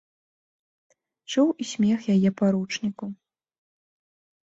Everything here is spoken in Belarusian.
Чуў і смех яе паручніку.